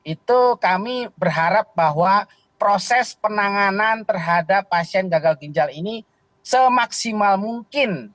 itu kami berharap bahwa proses penanganan terhadap pasien gagal ginjal ini semaksimal mungkin